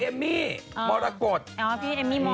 อบปิดก่อนช่วงหน้าเป็นไรฮะ